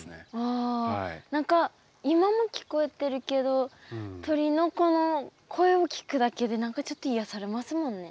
あ何か今も聞こえてるけど鳥のこの声を聞くだけで何かちょっと癒やされますもんね。